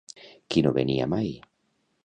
Qui no venia mai?